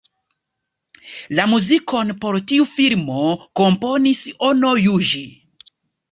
La muzikon por tiu filmo komponis Ono Juĝi.